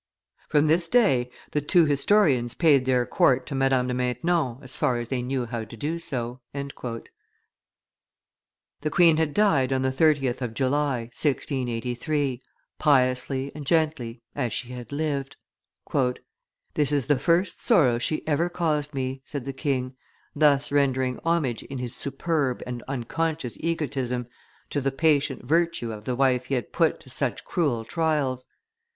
From this day, the two historians paid their court to Madame de Maintenon as far as they knew how to do so." The queen had died on the 30th of July, 1683, piously and gently, as she had lived. "This is the first sorrow she ever caused me," said the king, thus rendering homage in his superb and unconscious egotism, to the patient virtue of the wife he had put to such cruel trials.